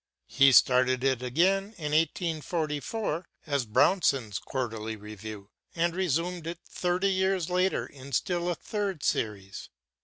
He started it again in 1844 as 'Brownson's Quarterly Review,' and resumed it thirty years later in still a third series.